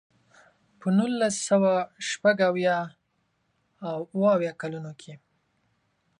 په نولس سوه شپږ اویا او اوه اویا کلونو کې.